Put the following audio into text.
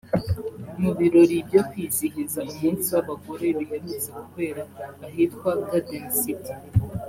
Mu birori byo kwizihiza umunsi w’abagore biherutse kubera ahitwa Garden City